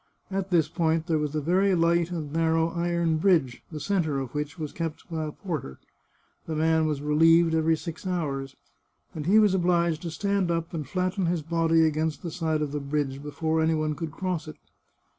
At this point there was a very light and narrow iron bridge, the centre of which was kept by a porter. The man was relieved every six hours, and he was obliged to stand up and flatten his body against the side of the bridge before any one could cross it.